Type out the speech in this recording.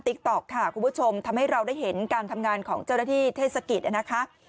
ต๊อกค่ะคุณผู้ชมทำให้เราได้เห็นการทำงานของเจ้าหน้าที่เทศกิจนะคะ